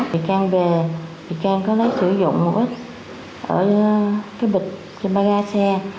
bị can về bị can có lấy sử dụng một ít ở cái bịch trên ba ga xe